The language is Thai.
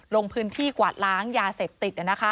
ลงพื้นที่กวาดล้างยาเสพติด